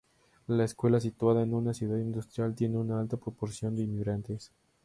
La escuela, situada en una ciudad industrial, tiene una alta proporción de inmigrantes.